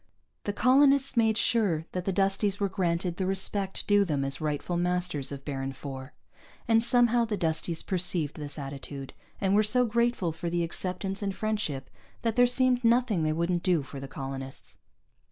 The colonists made sure that the Dusties were granted the respect due them as rightful masters of Baron IV. And somehow the Dusties perceived this attitude, and were so grateful for the acceptance and friendship that there seemed nothing they wouldn't do for the colonists.